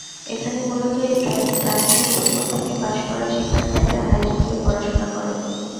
এখানে মূলত এই প্রাথমিক স্কুল থেকে পাস করা শিক্ষার্থীরা হাইস্কুলে পড়াশোনা করে।